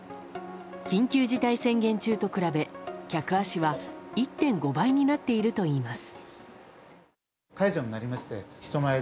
緊急事態宣言中と比べ客足は１．５倍になっているといいます。